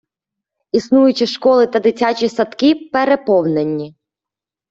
Існуючі школи та дитячі садки переповнені.